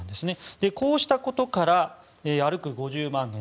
こうしたことから歩く５０万